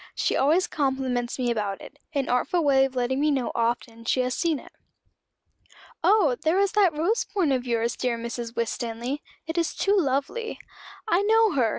She always compliments me about it an artful way of letting me know often she has seen it. 'Oh there is that rose point of yours, dear Mrs. Winstanley; it is too lovely.' I know her!